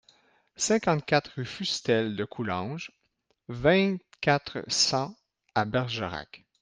cinquante-quatre rue Fustel de Coulanges, vingt-quatre, cent à Bergerac